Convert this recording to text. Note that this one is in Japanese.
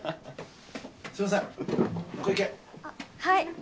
はい。